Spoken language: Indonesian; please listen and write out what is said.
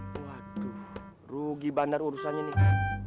waduh rugi bandar urusannya nih